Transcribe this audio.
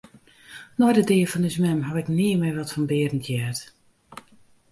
Nei de dea fan ús mem haw ik nea mear wat fan Berend heard.